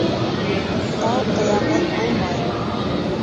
Тау ҡыяһыҙ булмай